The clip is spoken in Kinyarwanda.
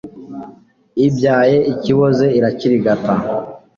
ibyaye ikiboze irakirigata